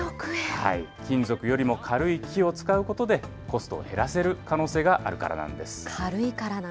金属よりも軽い木を使うことで、コストを減らせる可能性があるからなんです。